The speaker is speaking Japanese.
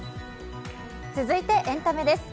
続いてエンタメです。